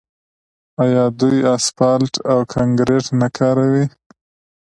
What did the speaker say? آیا دوی اسفالټ او کانکریټ نه کاروي؟